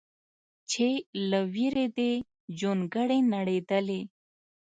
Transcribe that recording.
چې له ویرې دې جونګړې نړېدلې